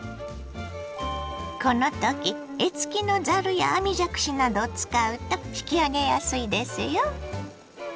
このとき柄付きのざるや網じゃくしなどを使うと引き上げやすいですよ。